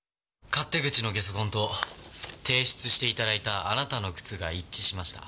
勝手口のゲソ痕と提出して頂いたあなたの靴が一致しました。